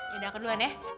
yaudah aku duluan ya